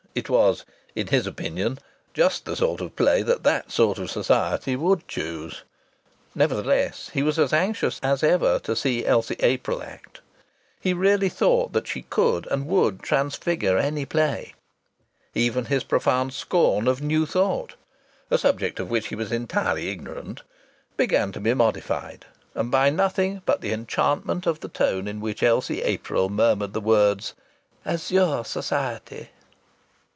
It was (in his opinion) just the sort of play that that sort of society would choose! Nevertheless he was as anxious as ever to see Elsie April act. He really thought that she could and would transfigure any play. Even his profound scorn of New Thought (a subject of which he was entirely ignorant) began to be modified and by nothing but the enchantment of the tone in which Elsie April murmured the words, "Azure Society!"